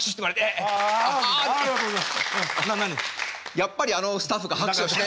やっぱりあのスタッフが拍手をしない。